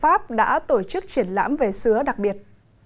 pháp đã tổ chức triển lãm về sứa đặc biệt